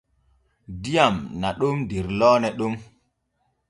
Diyam naɗon der loone ɗon.